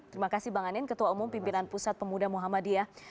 terima kasih bang anin ketua umum pimpinan pusat pemuda muhammadiyah